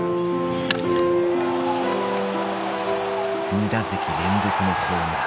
２打席連続のホームラン。